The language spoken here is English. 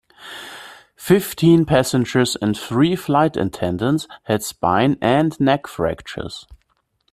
Fifteen passengers and three flight attendants had spine and neck fractures.